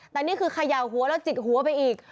แต่นี่คือเขย่าหัวแล้วจิกหัวไปอีก